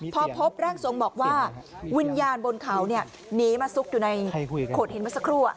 พอพบร่างทรงบอกว่าวิญญาณบนเขาหนีมาซุกอยู่ในโขดหินเมื่อสักครู่